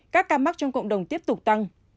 các ca mắc trong cộng đồng tiếp tục tăng